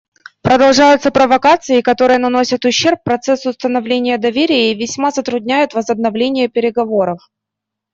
Продолжаются провокации, которые наносят ущерб процессу установления доверия и весьма затрудняют возобновление переговоров.